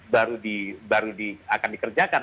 baru akan dikerjakan